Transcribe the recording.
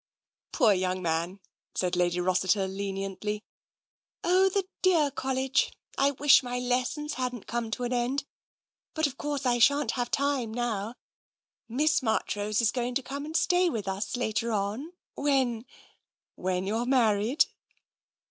"Poor young man!" said Lady Rossiter leniently. " Oh, the dear College ! I wish my lessons hadn't come to an end, but of course I shan't have time now. Miss Marchrose is going to come and stay with us, later on — when "" When you're married?